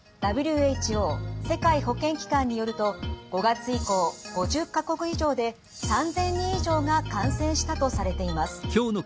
ＷＨＯ世界保健機関によると５月以降５０か国以上で３，０００人以上が感染したとされています。